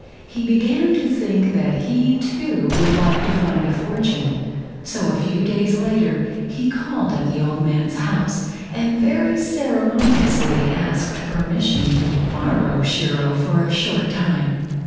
He began to think that he, too, would like to find a fortune. So a few days later he called at the old man's house and very ceremoniously asked permission to borrow Shiro for a short time.